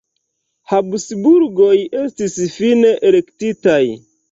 Habsburgoj estis fine elektitaj.